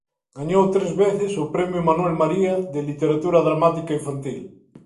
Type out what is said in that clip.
Gañou tres veces o Premio Manuel María de Literatura Dramática Infantil.